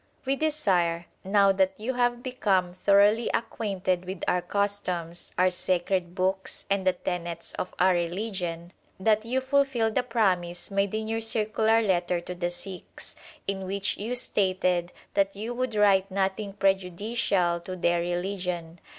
We desire, now that you have become thoroughly acquainted with our customs, our sacred books, and the tenets of our religion, that you fulfil the promise made in your Circular letter to the Sikhs, in which you stated that you would write nothing prejudicial to their religion.